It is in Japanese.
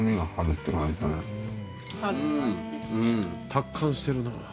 達観してるな。